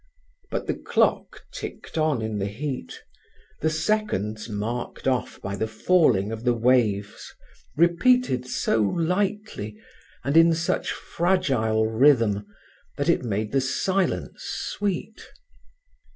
But the clock ticked on in the heat, the seconds marked off by the falling of the waves, repeated so lightly, and in such fragile rhythm, that it made silence sweet.